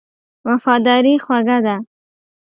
وفاداري خوږه ده.